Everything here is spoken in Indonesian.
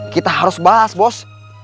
kita harus bahas bos